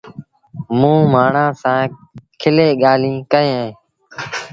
موٚنٚ مآڻهآنٚ سآݩٚ کُلي ڳآليٚنٚ ڪئيݩ اهينٚ